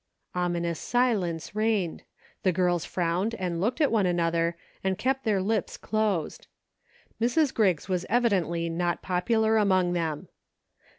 Ominous silence reigned. The girls frowned and looked at one another and kept their lips closed. Mrs. Griggs was evidently not popular among them.